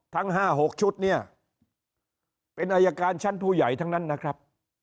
ทั้ง๕๖ชุดเนี่ยเป็นอายการชั้นผู้ใหญ่ทั้งนั้นนะครับ